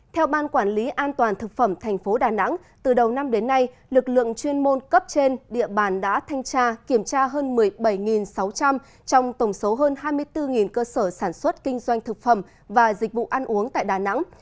theo ban quản lý an toàn thực phẩm thành phố đà nẵng từ đầu năm đến nay lực lượng chuyên môn cấp trên địa bàn đã thanh tra kiểm tra hơn một mươi bảy sáu trăm linh trong tổng số hơn hai mươi bốn cơ sở sản xuất kinh doanh thực phẩm và dịch vụ ăn uống tại đà nẵng